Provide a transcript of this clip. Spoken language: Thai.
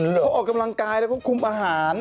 เขาออกกำลังกายแล้วก็คุมอาหาร